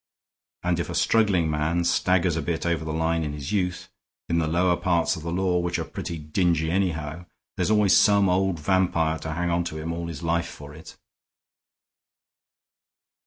And if a struggling man staggers a bit over the line in his youth, in the lower parts of the law which are pretty dingy, anyhow, there's always some old vampire to hang on to him all his life for it."